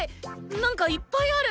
何かいっぱいある！